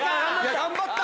・頑張った！